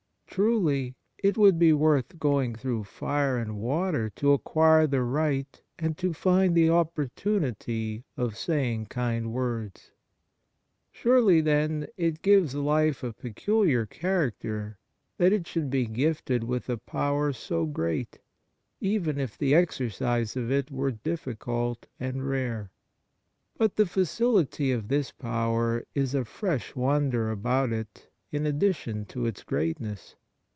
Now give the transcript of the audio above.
Truly it would be worth Kind Words 71 going through fire and water to acquire the right and to find the opportunity of saying kind words ! Surely, then, it gives life a peculiar character that it should be gifted with a power so great, even if the exercise of it were difficult and rare. But the facility of this power is a fresh wonder about it in addition to its greatness.